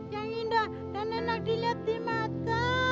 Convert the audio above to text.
yang indah dan enak dilihat di mata